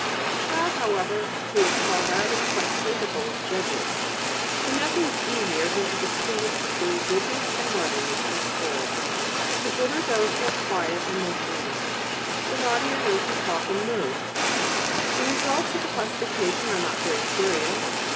The child, however, who is called out is quite capable of judging, for nothing is easier than to distinguish between goodness and naughtiness in schools. The good are those who are quiet and motionless; the naughty are those who talk and move. The results of the classification are not very serious.